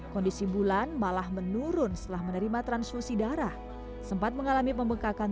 kondisi bulan malah menurun setelah menerima transfusi darah sempat mengalami pembekakan